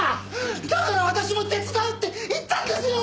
だから私も手伝うって言ったんですよ！